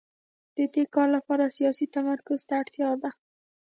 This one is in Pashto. د دې کار لپاره سیاسي تمرکز ته اړتیا ده.